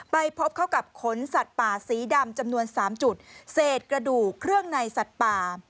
ไปพบเข้ากับขนสัตว์ป่าสีดำจำนวน๓จุดเศษกระดูกเครื่องในสัตว์ป่า